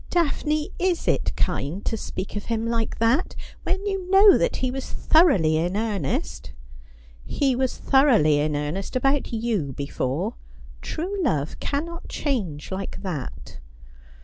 ' Daphne, is it kind to speak of him like that, when you know that he was thoroughly in earnest ?'' He was thoroughly in earnest about you before. True love cannot change like that.'